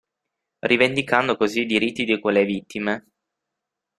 Rivendicando così i diritti di quelle vittime.